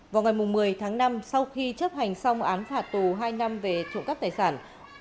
vào ngày một mươi tháng năm sau khi chấp hành xong án phạt tù hai năm về trộm cắp tài sản